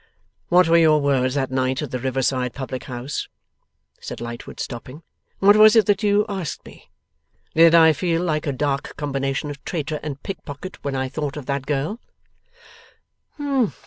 'What were your words that night at the river side public house?' said Lightwood, stopping. 'What was it that you asked me? Did I feel like a dark combination of traitor and pickpocket when I thought of that girl?